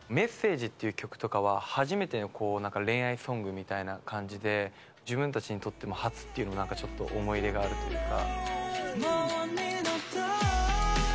Ｍｅｓｓａｇｅっていう曲とかは初めてのなんか恋愛ソングみたいな感じで、自分たちにとっても初っていうのは、なんか思い入れがあるというか。